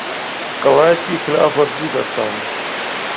قوائد کی خلاف ورزی کرتا ہوں